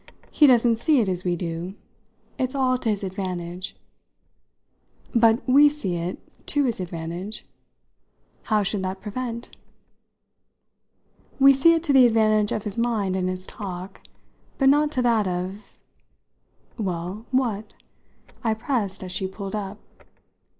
He doesn't see it as we do. It's all to his advantage." "But we see it to his advantage. How should that prevent?" "We see it to the advantage of his mind and his talk, but not to that of " "Well, what?" I pressed as she pulled up.